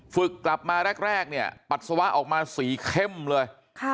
ฝึกกลับมาแรกเนี่ยปัสสาวะออกมาสีเข้มเลย